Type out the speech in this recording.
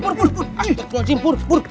astagfirullahaladzim pur pur